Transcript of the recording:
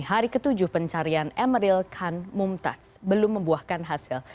hari ketujuh pencarian emeril khan mumtaz belum membuahkan hasil